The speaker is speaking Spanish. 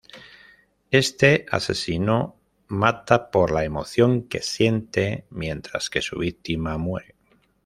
Este asesino mata por la emoción que siente mientras que su víctima muere.